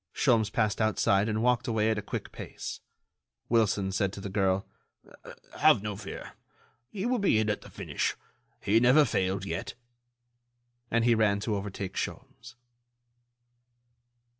Sholmes passed outside and walked away at a quick pace. Wilson said to the girl: "Have no fear ... he will be in at the finish. He never failed yet." And he ran to overtake Sholmes.